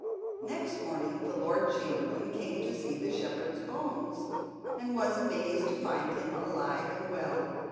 Next morning the Lord Chamberlain came to see the shepherd's bones, and was amazed to find him alive and well.